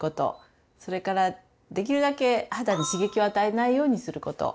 それからできるだけ肌に刺激を与えないようにすること。